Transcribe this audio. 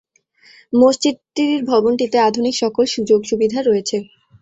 মসজিদটির ভবনটিতে আধুনিক সকল সুযোগ-সুবিধা রয়েছে।